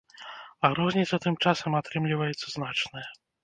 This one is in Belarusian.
А розніца, тым часам, атрымліваецца значная.